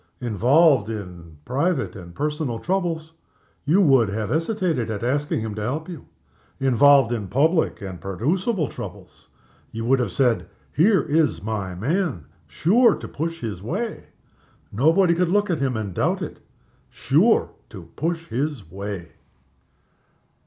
Involved in private and personal troubles, you would have hesitated at asking him to help you. Involved in public and producible troubles, you would have said, Here is my man. Sure to push his way nobody could look at him and doubt it sure to push his way.